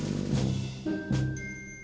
dia udah berangkat